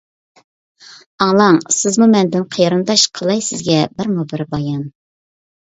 ئاڭلاڭ سىزمۇ مەندىن قېرىنداش، قىلاي سىزگە بىرمۇ-بىر بايان.